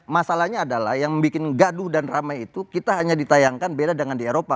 masalahnya adalah yang bikin gaduh dan ramai itu kita hanya ditayangkan beda dengan di eropa